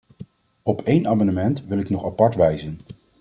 Op één amendement wil ik nog apart wijzen.